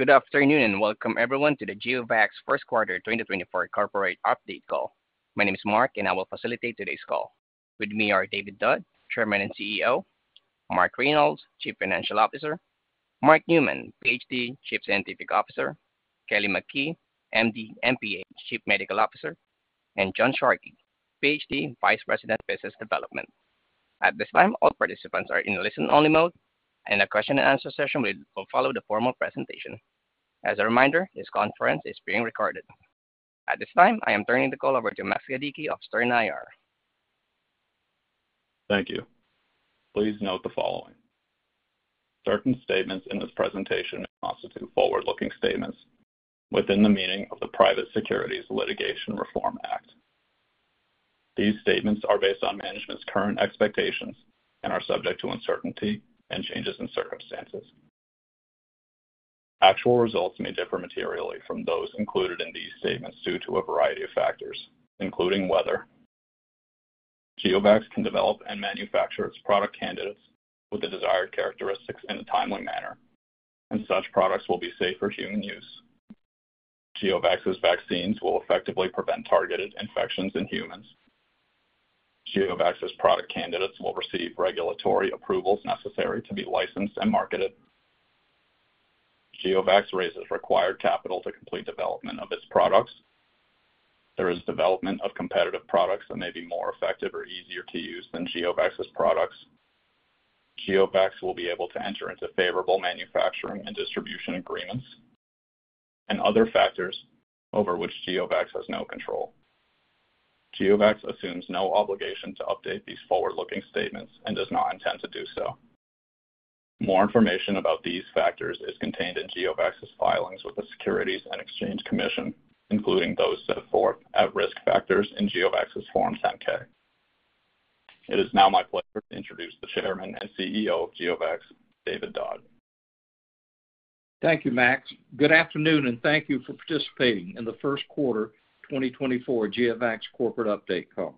Good afternoon, and welcome everyone to the GeoVax first quarter 2024 corporate update call. My name is Mark, and I will facilitate today's call. With me are David Dodd, Chairman and CEO; Mark Reynolds, Chief Financial Officer; Mark Newman, PhD, Chief Scientific Officer; Kelly McKee, MD, MPH, Chief Medical Officer; and John Sharkey, PhD, Vice President, Business Development. At this time, all participants are in listen-only mode, and a question-and-answer session will follow the formal presentation. As a reminder, this conference is being recorded. At this time, I am turning the call over to Max Gadicke of Stern IR. Thank you. Please note the following: Certain statements in this presentation may constitute forward-looking statements within the meaning of the Private Securities Litigation Reform Act. These statements are based on management's current expectations and are subject to uncertainty and changes in circumstances. Actual results may differ materially from those included in these statements due to a variety of factors, including whether GeoVax can develop and manufacture its product candidates with the desired characteristics in a timely manner, and such products will be safe for human use. GeoVax's vaccines will effectively prevent targeted infections in humans. GeoVax's product candidates will receive regulatory approvals necessary to be licensed and marketed. GeoVax raises required capital to complete development of its products. There is development of competitive products that may be more effective or easier to use than GeoVax's products. GeoVax will be able to enter into favorable manufacturing and distribution agreements, and other factors over which GeoVax has no control. GeoVax assumes no obligation to update these forward-looking statements and does not intend to do so. More information about these factors is contained in GeoVax's filings with the Securities and Exchange Commission, including those set forth at Risk Factors in GeoVax's Form 10-K. It is now my pleasure to introduce the Chairman and CEO of GeoVax, David Dodd. Thank you, Max. Good afternoon, and thank you for participating in the first quarter 2024 GeoVax corporate update call.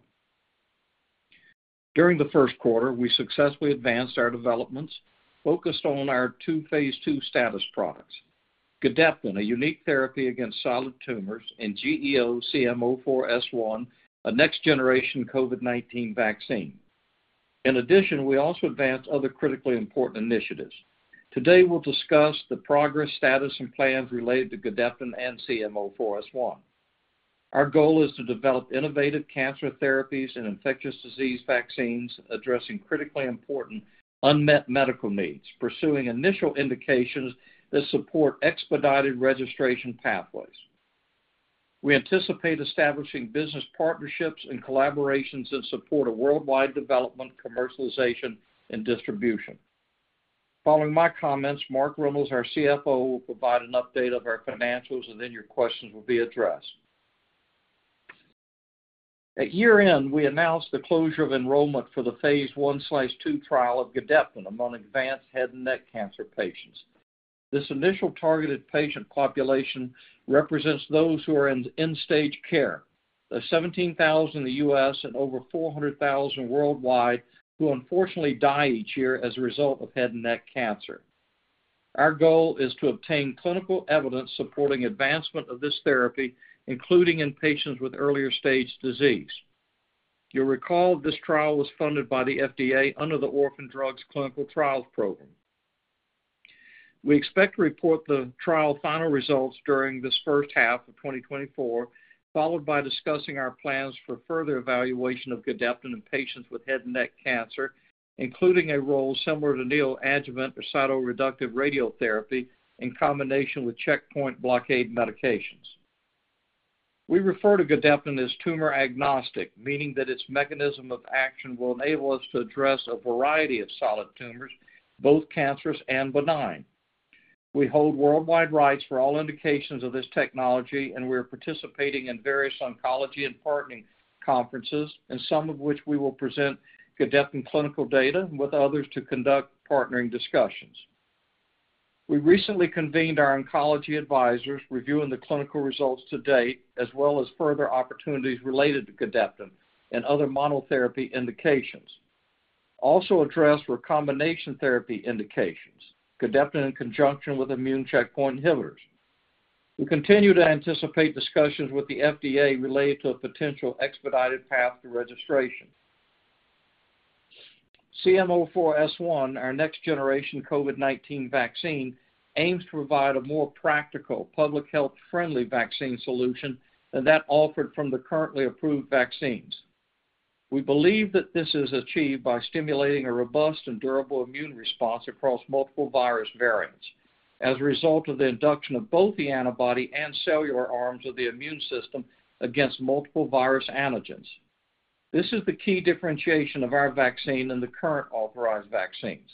During the first quarter, we successfully advanced our developments, focused on our two phase II status products, Gedeptin, a unique therapy against solid tumors, and GEO-CM04S1, a next-generation COVID-19 vaccine. In addition, we also advanced other critically important initiatives. Today, we'll discuss the progress, status, and plans related to Gedeptin and GEO-CM04S1. Our goal is to develop innovative cancer therapies and infectious disease vaccines, addressing critically important unmet medical needs, pursuing initial indications that support expedited registration pathways. We anticipate establishing business partnerships and collaborations that support a worldwide development, commercialization, and distribution. Following my comments, Mark Reynolds, our CFO, will provide an update of our financials, and then your questions will be addressed. At year-end, we announced the closure of enrollment for the Phase I/II trial of Gedeptin among advanced head and neck cancer patients. This initial targeted patient population represents those who are in end-stage care, the 17,000 in the US and over 400,000 worldwide, who unfortunately die each year as a result of head and neck cancer. Our goal is to obtain clinical evidence supporting advancement of this therapy, including in patients with earlier-stage disease. You'll recall this trial was funded by the FDA under the Orphan Drugs Clinical Trials Program. We expect to report the trial final results during this first half of 2024, followed by discussing our plans for further evaluation of Gedeptin in patients with head and neck cancer, including a role similar to neoadjuvant or cytoreductive radiotherapy in combination with checkpoint blockade medications. We refer to Gedeptin as tumor-agnostic, meaning that its mechanism of action will enable us to address a variety of solid tumors, both cancerous and benign. We hold worldwide rights for all indications of this technology, and we are participating in various oncology and partnering conferences, and some of which we will present Gedeptin clinical data, with others to conduct partnering discussions. We recently convened our oncology advisors, reviewing the clinical results to date, as well as further opportunities related to Gedeptin and other monotherapy indications. Also addressed were combination therapy indications, Gedeptin in conjunction with immune checkpoint inhibitors. We continue to anticipate discussions with the FDA related to a potential expedited path to registration. GEO-CM04S1, our next-generation COVID-19 vaccine, aims to provide a more practical, public health-friendly vaccine solution than that offered from the currently approved vaccines. We believe that this is achieved by stimulating a robust and durable immune response across multiple virus variants as a result of the induction of both the antibody and cellular arms of the immune system against multiple virus antigens. This is the key differentiation of our vaccine and the current authorized vaccines.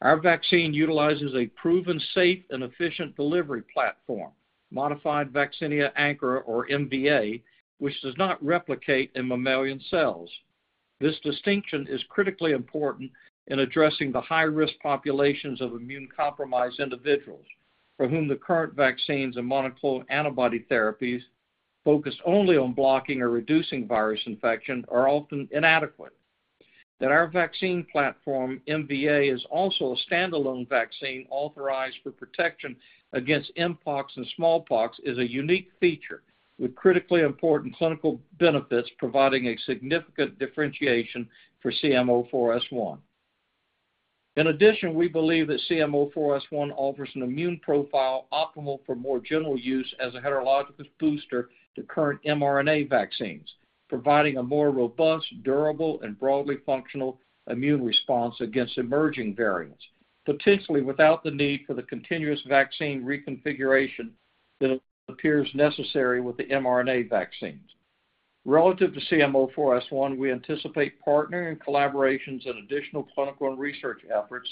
Our vaccine utilizes a proven, safe, and efficient delivery platform, Modified Vaccinia Ankara or MVA, which does not replicate in mammalian cells. This distinction is critically important in addressing the high-risk populations of immunocompromised individuals for whom the current vaccines and monoclonal antibody therapies focused only on blocking or reducing virus infection are often inadequate. That our vaccine platform, MVA, is also a standalone vaccine authorized for protection against Mpox and smallpox, is a unique feature with critically important clinical benefits, providing a significant differentiation for CM04S1. In addition, we believe that GEO-CM04S1 offers an immune profile optimal for more general use as a heterologous booster to current mRNA vaccines, providing a more robust, durable, and broadly functional immune response against emerging variants, potentially without the need for the continuous vaccine reconfiguration that appears necessary with the mRNA vaccines. Relative to GEO-CM04S1, we anticipate partnering and collaborations in additional clinical and research efforts,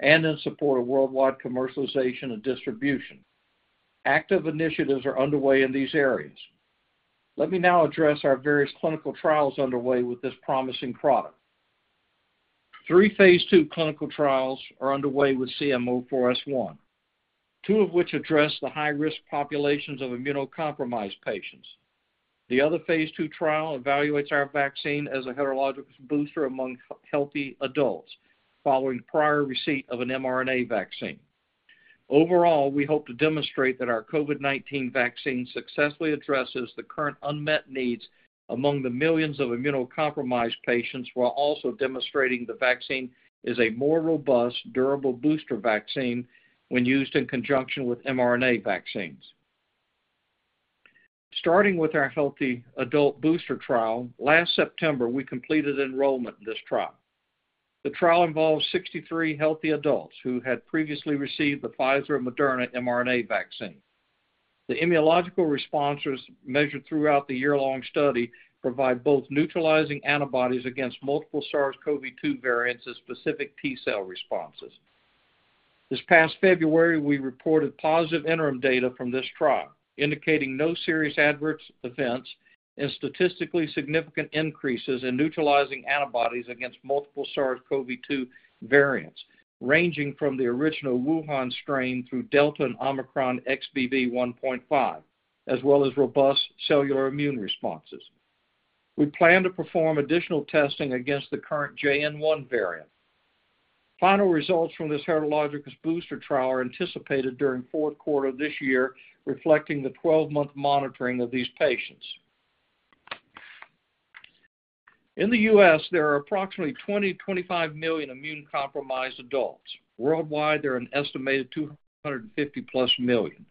and in support of worldwide commercialization and distribution. Active initiatives are underway in these areas. Let me now address our various clinical trials underway with this promising product. Three phase II clinical trials are underway with GEO-CM04S1, two of which address the high-risk populations of immunocompromised patients. The other phase II trial evaluates our vaccine as a heterologous booster among healthy adults following prior receipt of an mRNA vaccine. Overall, we hope to demonstrate that our COVID-19 vaccine successfully addresses the current unmet needs among the millions of immunocompromised patients, while also demonstrating the vaccine is a more robust, durable booster vaccine when used in conjunction with mRNA vaccines. Starting with our healthy adult booster trial, last September, we completed enrollment in this trial. The trial involves 63 healthy adults who had previously received the Pfizer or Moderna mRNA vaccine. The immunological responses measured throughout the year-long study provide both neutralizing antibodies against multiple SARS-CoV-2 variants and specific T-cell responses. This past February, we reported positive interim data from this trial, indicating no serious adverse events and statistically significant increases in neutralizing antibodies against multiple SARS-CoV-2 variants, ranging from the original Wuhan strain through Delta and Omicron XBB.1.5, as well as robust cellular immune responses. We plan to perform additional testing against the current JN.1 variant. Final results from this heterologous booster trial are anticipated during fourth quarter of this year, reflecting the 12-month monitoring of these patients. In the U.S., there are approximately 20-25 million immunocompromised adults. Worldwide, there are an estimated 250+ million.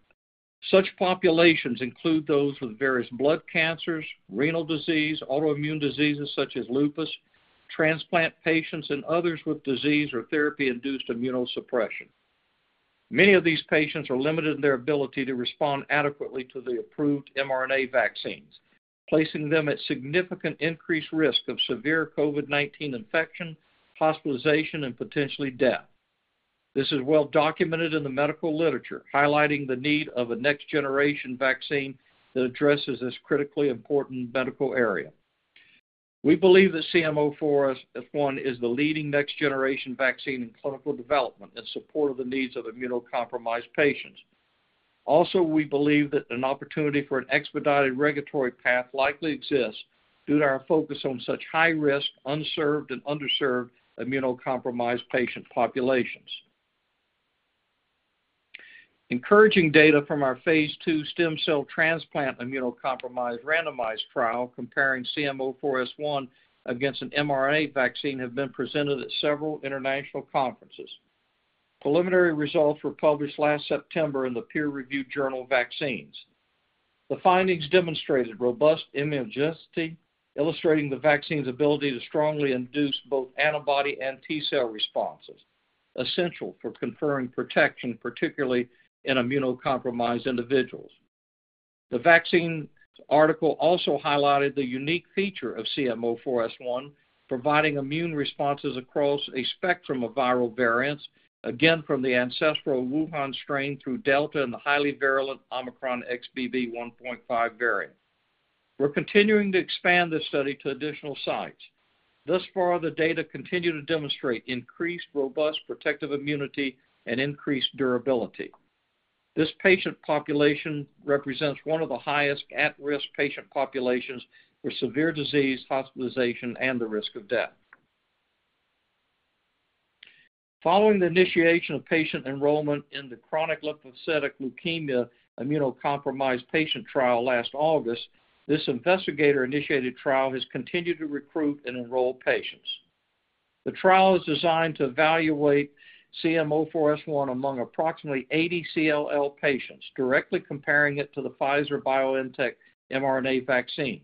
Such populations include those with various blood cancers, renal disease, autoimmune diseases such as lupus, transplant patients, and others with disease or therapy-induced immunosuppression. Many of these patients are limited in their ability to respond adequately to the approved mRNA vaccines, placing them at significant increased risk of severe COVID-19 infection, hospitalization, and potentially death. This is well documented in the medical literature, highlighting the need of a next-generation vaccine that addresses this critically important medical area. We believe that GEO-CM04S1 is the leading next-generation vaccine in clinical development in support of the needs of immunocompromised patients. Also, we believe that an opportunity for an expedited regulatory path likely exists due to our focus on such high-risk, unserved, and underserved immunocompromised patient populations. Encouraging data from our phase II stem cell transplant immunocompromised randomized trial, comparing GEO-CM04S1 against an mRNA vaccine, have been presented at several international conferences. Preliminary results were published last September in the peer-reviewed journal, Vaccines. The findings demonstrated robust immunogenicity, illustrating the vaccine's ability to strongly induce both antibody and T-cell responses, essential for conferring protection, particularly in immunocompromised individuals. The vaccine's article also highlighted the unique feature of GEO-CM04S1, providing immune responses across a spectrum of viral variants, again, from the ancestral Wuhan strain through Delta and the highly virulent Omicron XBB.1.5 variant. We're continuing to expand this study to additional sites. Thus far, the data continue to demonstrate increased robust protective immunity and increased durability. This patient population represents one of the highest at-risk patient populations for severe disease, hospitalization, and the risk of death. Following the initiation of patient enrollment in the chronic lymphocytic leukemia immunocompromised patient trial last August, this investigator-initiated trial has continued to recruit and enroll patients. The trial is designed to evaluate GEO-CM04S1 among approximately 80 CLL patients, directly comparing it to the Pfizer-BioNTech mRNA vaccine.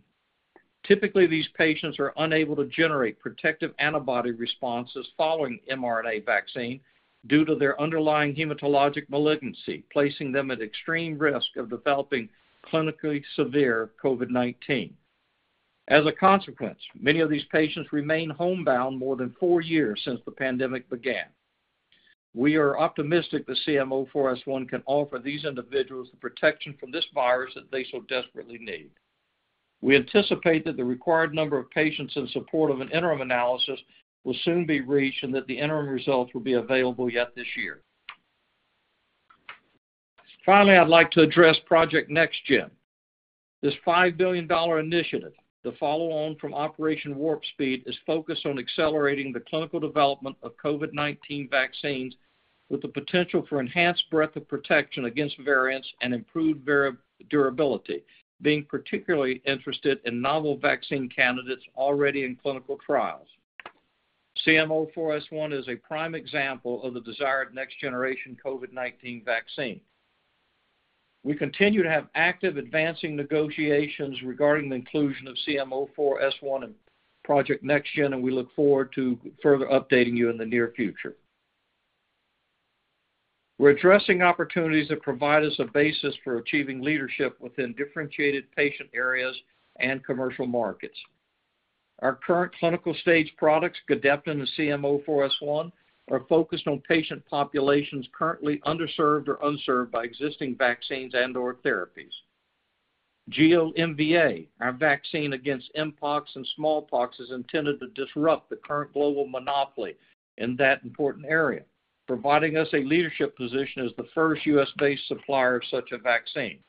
Typically, these patients are unable to generate protective antibody responses following mRNA vaccine due to their underlying hematologic malignancy, placing them at extreme risk of developing clinically severe COVID-19. As a consequence, many of these patients remain homebound more than four years since the pandemic began. We are optimistic that GEO-CM04S1 can offer these individuals the protection from this virus that they so desperately need. We anticipate that the required number of patients in support of an interim analysis will soon be reached and that the interim results will be available yet this year. Finally, I'd like to address Project NextGen. This $5 billion initiative, the follow-on from Operation Warp Speed, is focused on accelerating the clinical development of COVID-19 vaccines, with the potential for enhanced breadth of protection against variants and improved variant durability, being particularly interested in novel vaccine candidates already in clinical trials. CMO-4S1 is a prime example of the desired next generation COVID-19 vaccine. We continue to have active, advancing negotiations regarding the inclusion of CMO-4S1 in Project NextGen, and we look forward to further updating you in the near future. We're addressing opportunities that provide us a basis for achieving leadership within differentiated patient areas and commercial markets. Our current clinical stage products, Gedeptin and GEO-CM04S1, are focused on patient populations currently underserved or unserved by existing vaccines and/or therapies. GEO-MVA, our vaccine against Mpox and smallpox, is intended to disrupt the current global monopoly in that important area, providing us a leadership position as the first US-based supplier of such a vaccine.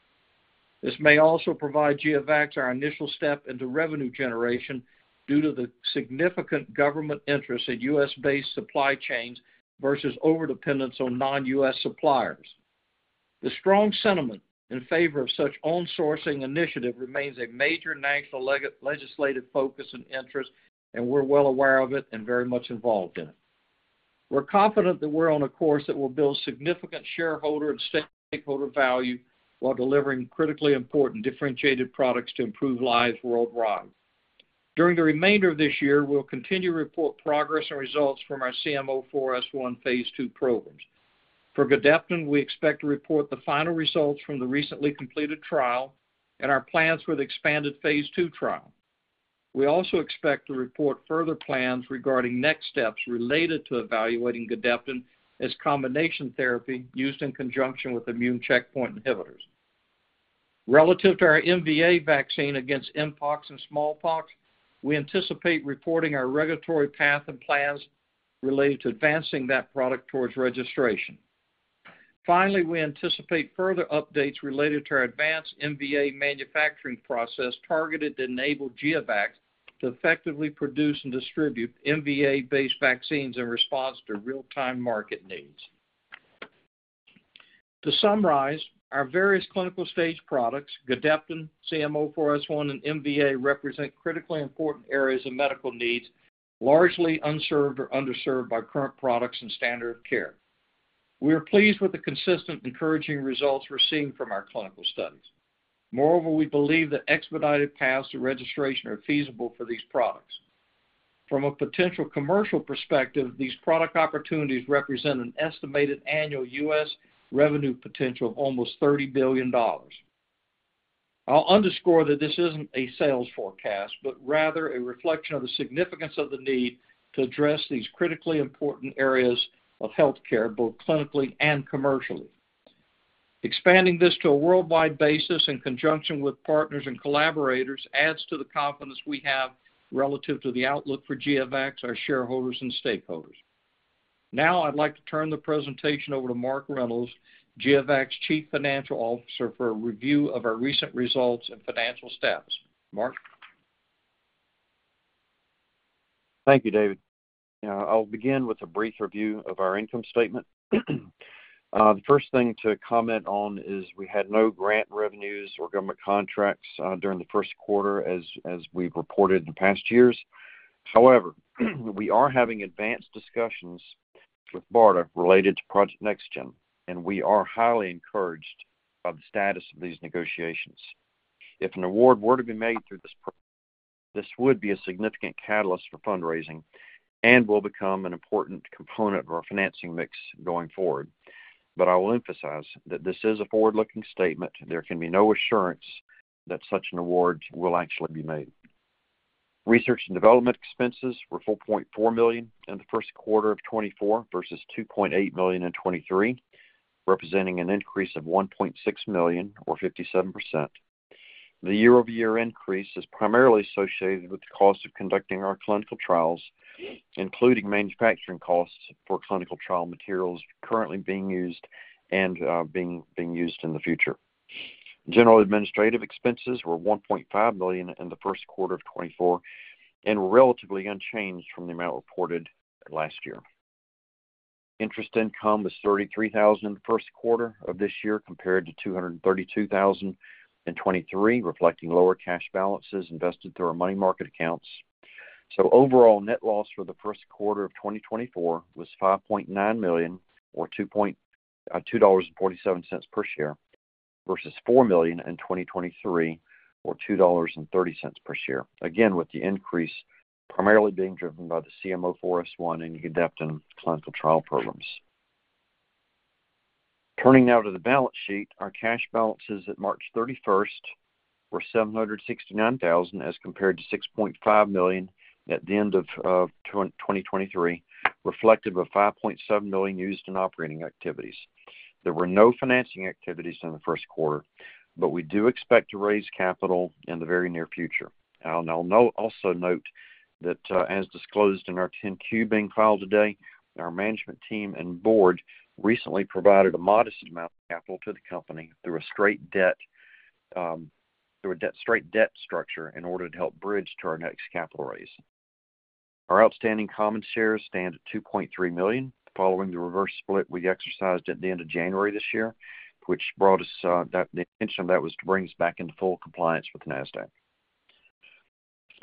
This may also provide GeoVax our initial step into revenue generation due to the significant government interest in US-based supply chains versus overdependence on non-US suppliers. The strong sentiment in favor of such onshoring initiative remains a major national legislative focus and interest, and we're well aware of it and very much involved in it. We're confident that we're on a course that will build significant shareholder and stakeholder value while delivering critically important differentiated products to improve lives worldwide. During the remainder of this year, we'll continue to report progress and results from our GEO-CM04S1 phase II programs. For Gedeptin, we expect to report the final results from the recently completed trial and our plans for the expanded phase II trial. We also expect to report further plans regarding next steps related to evaluating Gedeptin as combination therapy used in conjunction with immune checkpoint inhibitors. Relative to our GEO-MVA vaccine against Mpox and smallpox, we anticipate reporting our regulatory path and plans related to advancing that product towards registration. Finally, we anticipate further updates related to our advanced GEO-MVA manufacturing process, targeted to enable GeoVax to effectively produce and distribute GEO-MVA-based vaccines in response to real-time market needs. To summarize, our various clinical stage products, Gedeptin, GEO-CM04S1, and GEO-MVA, represent critically important areas of medical needs, largely unserved or underserved by current products and standard of care. We are pleased with the consistent, encouraging results we're seeing from our clinical studies. Moreover, we believe that expedited paths to registration are feasible for these products. From a potential commercial perspective, these product opportunities represent an estimated annual US revenue potential of almost $30 billion. I'll underscore that this isn't a sales forecast, but rather a reflection of the significance of the need to address these critically important areas of healthcare, both clinically and commercially. Expanding this to a worldwide basis in conjunction with partners and collaborators adds to the confidence we have relative to the outlook for GeoVax, our shareholders and stakeholders. Now, I'd like to turn the presentation over to Mark Reynolds, GeoVax's Chief Financial Officer, for a review of our recent results and financial status. Mark? Thank you, David. I'll begin with a brief review of our income statement. The first thing to comment on is we had no grant revenues or government contracts during the first quarter, as we've reported in past years. However, we are having advanced discussions with BARDA related to Project NextGen, and we are highly encouraged by the status of these negotiations. If an award were to be made through this program, this would be a significant catalyst for fundraising and will become an important component of our financing mix going forward. But I will emphasize that this is a forward-looking statement. There can be no assurance that such an award will actually be made. Research and development expenses were $4.4 million in the first quarter of 2024 versus $2.8 million in 2023, representing an increase of $1.6 million, or 57%. The year-over-year increase is primarily associated with the cost of conducting our clinical trials, including manufacturing costs for clinical trial materials currently being used and being used in the future. General administrative expenses were $1.5 million in the first quarter of 2024 and were relatively unchanged from the amount reported last year. Interest income was $33,000 in the first quarter of this year, compared to $232,000 in 2023, reflecting lower cash balances invested through our money market accounts. Overall, net loss for the first quarter of 2024 was $5.9 million, or $2.47 per share, versus $4 million in 2023, or $2.30 per share. Again, with the increase primarily being driven by the GEO-CM04S1 and Gedeptin clinical trial programs. Turning now to the balance sheet. Our cash balances at March 31 were $769,000, as compared to $6.5 million at the end of 2023, reflective of $5.7 million used in operating activities. There were no financing activities in the first quarter, but we do expect to raise capital in the very near future. I'll now also note that, as disclosed in our 10-Q being filed today, our management team and board recently provided a modest amount of capital to the company through a straight debt, through a debt, straight debt structure in order to help bridge to our next capital raise. Our outstanding common shares stand at 2.3 million following the reverse split we exercised at the end of January this year, which brought us, the intention of that was to bring us back into full compliance with NASDAQ.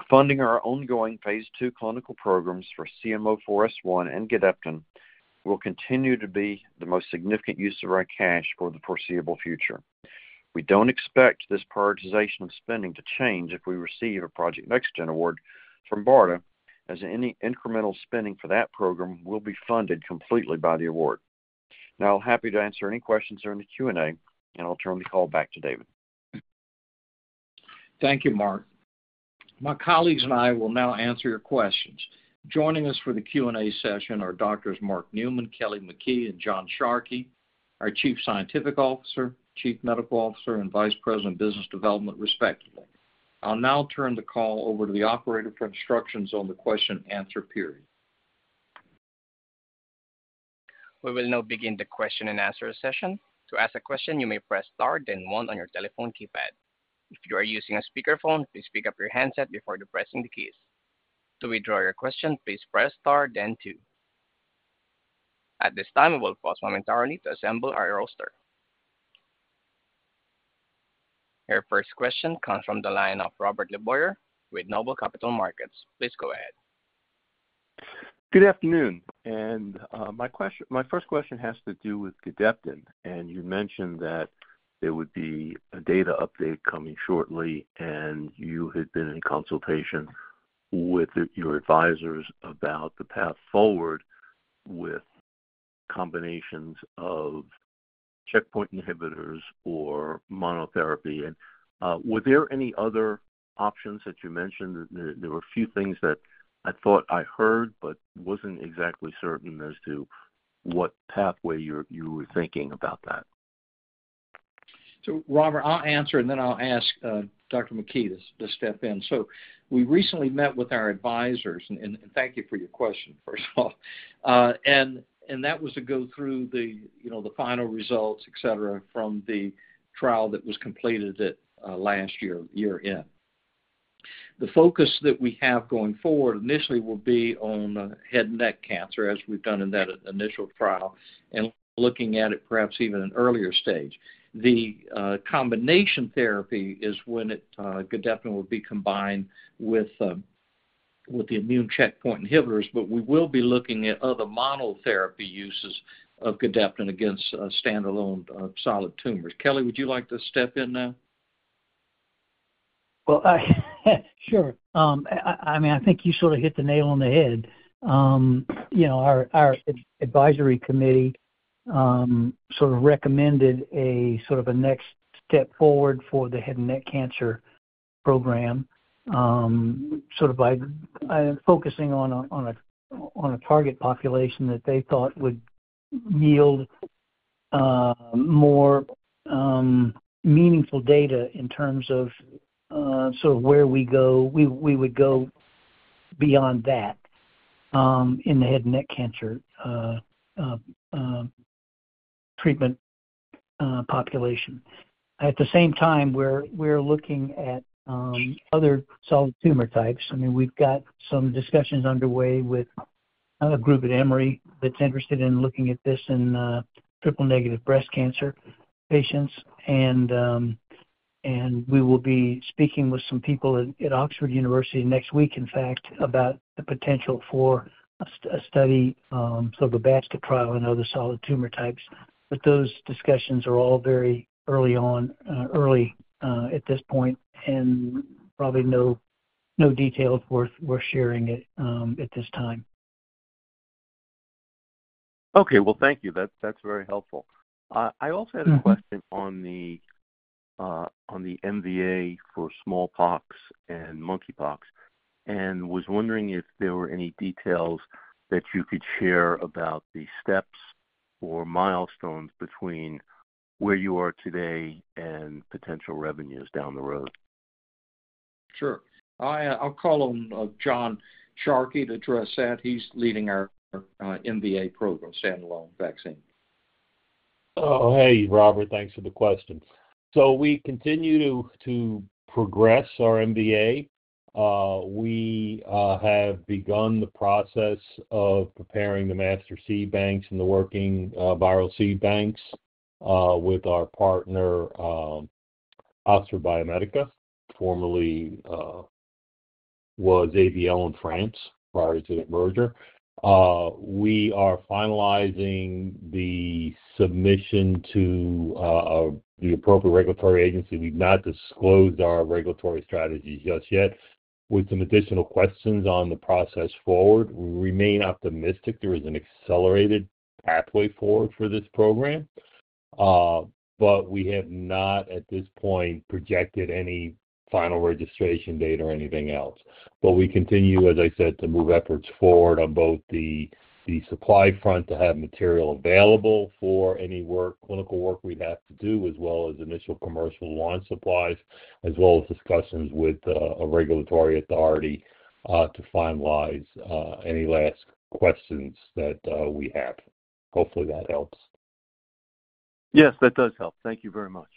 Funding our ongoing phase 2 clinical programs for GEO-CM04S1 and Gedeptin will continue to be the most significant use of our cash for the foreseeable future. We don't expect this prioritization of spending to change if we receive a Project NextGen award from BARDA, as any incremental spending for that program will be funded completely by the award. Now, I'm happy to answer any questions during the Q&A, and I'll turn the call back to David. Thank you, Mark. My colleagues and I will now answer your questions. Joining us for the Q&A session are Doctors Mark Newman, Kelly McKee, and John Sharkey, our Chief Scientific Officer, Chief Medical Officer, and Vice President of Business Development, respectively. I'll now turn the call over to the operator for instructions on the question and answer period. We will now begin the question and answer session. To ask a question, you may press star then one on your telephone keypad. If you are using a speakerphone, please pick up your handset before depressing the keys. To withdraw your question, please press star then two. At this time, we will pause momentarily to assemble our roster. Your first question comes from the line of Robert LeBoyer with Noble Capital Markets. Please go ahead. Good afternoon, and my first question has to do with Gedeptin, and you mentioned that there would be a data update coming shortly, and you had been in consultation with your advisors about the path forward with combinations of checkpoint inhibitors or monotherapy. And were there any other options that you mentioned? There were a few things that I thought I heard, but wasn't exactly certain as to what pathway you were thinking about that. So, Robert, I'll answer, and then I'll ask Dr. McKee to step in. So we recently met with our advisors, and thank you for your question, first of all. And that was to go through the, you know, the final results, et cetera, from the trial that was completed at last year year-end. The focus that we have going forward initially will be on head and neck cancer, as we've done in that initial trial, and looking at it perhaps even an earlier stage. The combination therapy is when it Gedeptin will be combined with the immune checkpoint inhibitors, but we will be looking at other monotherapy uses of Gedeptin against standalone solid tumors. Kelly, would you like to step in now? Well, sure. I mean, I think you sort of hit the nail on the head. You know, our advisory committee sort of recommended a sort of a next step forward for the head and neck cancer program, sort of by focusing on a target population that they thought would yield more meaningful data in terms of so where we go. We would go beyond that in the head and neck cancer treatment population. At the same time, we're looking at other solid tumor types. I mean, we've got some discussions underway with a group at Emory that's interested in looking at this in triple-negative breast cancer patients, and we will be speaking with some people at Oxford University next week, in fact, about the potential for a study, so the basket trial and other solid tumor types. But those discussions are all very early on, early, at this point, and probably no details worth sharing at this time. Okay. Well, thank you. That's, that's very helpful. I also had a question- Mm-hmm. on the MVA for smallpox and monkeypox, and was wondering if there were any details that you could share about the steps or milestones between where you are today and potential revenues down the road? Sure. I'll call on John Sharkey to address that. He's leading our MVA program, standalone vaccine. Oh, hey, Robert. Thanks for the question. So we continue to progress our MVA. We have begun the process of preparing the master seed banks and the working viral seed banks with our partner Oxford Biomedica, formerly was AVL in France prior to the merger. We are finalizing the submission to the appropriate regulatory agency. We've not disclosed our regulatory strategy just yet. With some additional questions on the process forward, we remain optimistic there is an accelerated pathway forward for this program. ... but we have not, at this point, projected any final registration date or anything else. But we continue, as I said, to move efforts forward on both the supply front, to have material available for any work, clinical work we'd have to do, as well as initial commercial launch supplies, as well as discussions with a regulatory authority to finalize any last questions that we have. Hopefully, that helps. Yes, that does help. Thank you very much.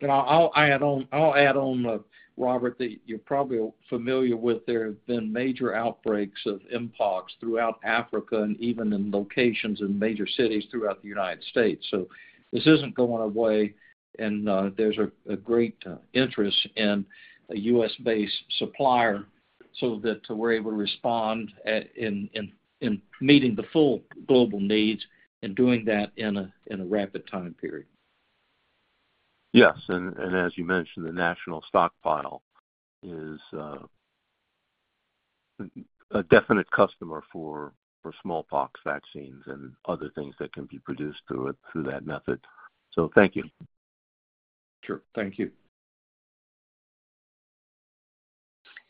And I'll add on, Robert, that you're probably familiar with. There have been major outbreaks of mpox throughout Africa and even in locations in major cities throughout the United States. So this isn't going away, and there's a great interest in a US-based supplier so that we're able to respond in meeting the full global needs and doing that in a rapid time period. Yes, and as you mentioned, the national stockpile is a definite customer for smallpox vaccines and other things that can be produced through it, through that method. So thank you. Sure. Thank you.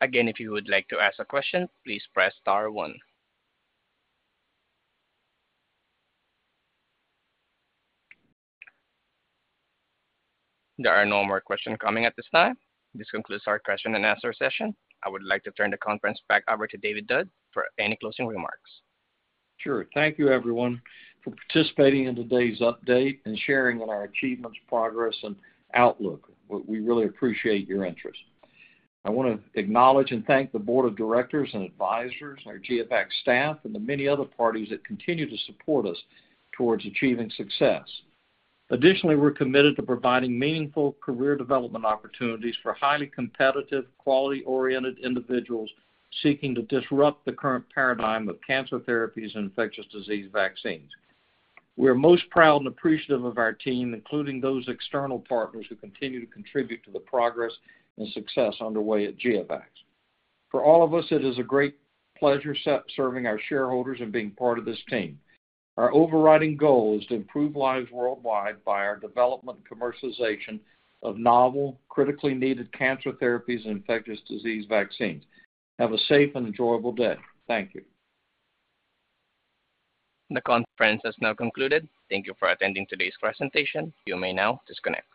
Again, if you would like to ask a question, please press star one. There are no more questions coming at this time. This concludes our question and answer session. I would like to turn the conference back over to David Dodd for any closing remarks. Sure. Thank you, everyone, for participating in today's update and sharing in our achievements, progress, and outlook. We really appreciate your interest. I want to acknowledge and thank the board of directors and advisors, our GeoVax staff, and the many other parties that continue to support us towards achieving success. Additionally, we're committed to providing meaningful career development opportunities for highly competitive, quality-oriented individuals seeking to disrupt the current paradigm of cancer therapies and infectious disease vaccines. We are most proud and appreciative of our team, including those external partners, who continue to contribute to the progress and success underway at GeoVax. For all of us, it is a great pleasure serving our shareholders and being part of this team. Our overriding goal is to improve lives worldwide by our development and commercialization of novel, critically needed cancer therapies and infectious disease vaccines. Have a safe and enjoyable day. Thank you. The conference has now concluded. Thank you for attending today's presentation. You may now disconnect.